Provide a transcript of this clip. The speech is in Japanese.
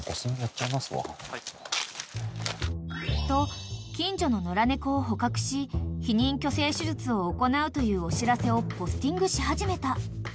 ［と近所の野良猫を捕獲し避妊去勢手術を行うというお知らせをポスティングし始めた］